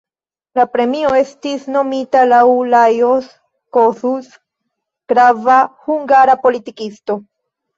La premio estis nomita laŭ Lajos Kossuth, grava hungara politikisto.